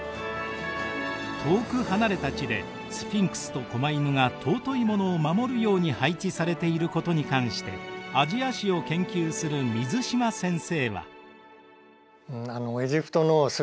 遠く離れた地でスフィンクスと狛犬が尊いものを守るように配置されていることに関してアジア史を研究する水島先生は。